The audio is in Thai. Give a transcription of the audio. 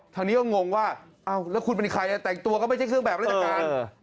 ทางนี้ก็งงว่าเอ้าแล้วคุณเป็นใครแต่งตัวก็ไม่ใช่เครื่องแบบราชการ